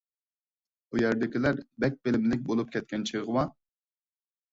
ئۇ يەردىكىلەر بەك بىلىملىك بولۇپ كەتكەن چېغىۋا.